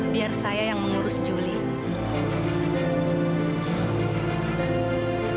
biar saya yang mengurus julie